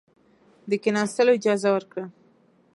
د کښېنستلو اجازه ورکړه.